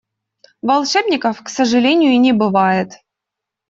Волшебников, к сожалению, не бывает.